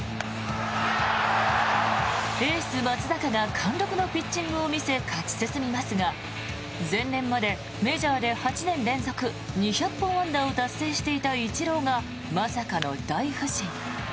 エース、松坂が貫禄のピッチングを見せ勝ち進みますが前年までメジャーで８年連続２００本安打を達成していたイチローがまさかの大不振。